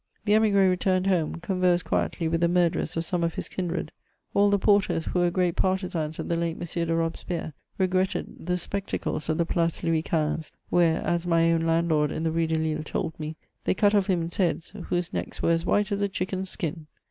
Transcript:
The emigre returned home, conversed quietly with the murderers of some of his kindred. All the porters, who were great partisans of the late M. de Robespierre, regretted the spectacles of the Place Louis XV., where, as my own landlord in the Rue de LiUe told me, " they cut off women's heads, whose necks were as white as a chicken's skin."